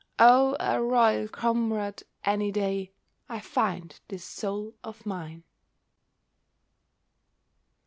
Oh, a royal comrade any day I find this Soul of mine.